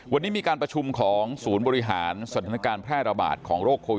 วันนี้มีการประชุมของศูนย์บริหารสถานการณ์แพร่ระบาดของโรคโควิด